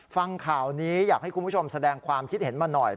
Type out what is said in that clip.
ฟังข่าวนี้อยากให้คุณผู้ชมแสดงความคิดเห็นมาหน่อย